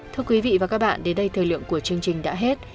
thưa quý vị và các bạn đến đây thời lượng của chương trình đã hết